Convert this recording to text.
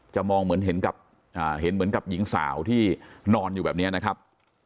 มองเหมือนเห็นเหมือนกับหญิงสาวที่นอนอยู่แบบนี้นะครับ